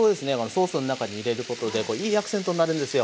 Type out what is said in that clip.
ソースの中に入れることでいいアクセントになるんですよ。